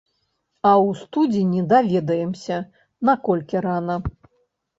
А ў студзені даведаемся, наколькі рана.